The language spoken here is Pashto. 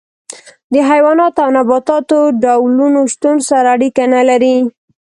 د حیواناتو او نباتاتو ډولونو شتون سره اړیکه نه لري.